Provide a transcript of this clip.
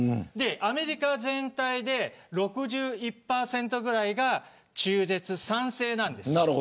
アメリカは全体で６１％ぐらいが中絶に賛成なんです。